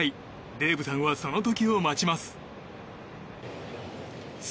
デイブさんはその時を待ちます。